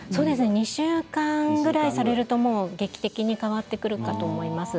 ２週間ぐらいで劇的に変わってくると思います。